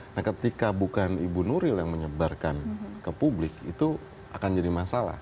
nah ketika bukan ibu nuril yang menyebarkan ke publik itu akan jadi masalah